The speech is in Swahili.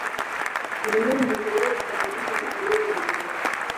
Nyingine hutumiwa kwa ajili ya aloi mbalimbali.